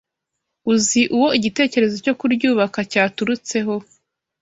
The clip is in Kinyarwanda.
Uzi uwo igitekerezo cyo kuryubaka cyaturutseho